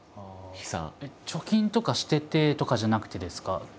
貯金とかしててとかじゃなくてですか？